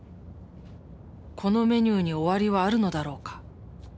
「このメニューに終わりはあるのだろうか。